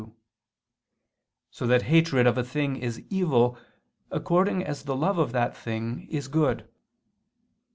2); so that hatred of a thing is evil according as the love of that thing is good.